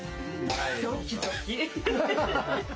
ドキドキ。